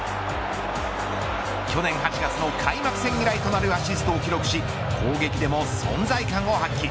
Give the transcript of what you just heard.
去年８月の開幕戦以来となるアシストを記録し攻撃でも存在感を発揮。